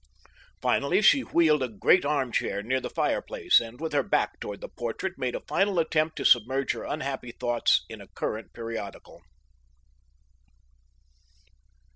Finally she wheeled a great armchair near the fireplace, and with her back toward the portrait made a final attempt to submerge her unhappy thoughts in a current periodical.